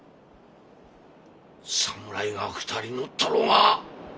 侍が２人乗ったろうが！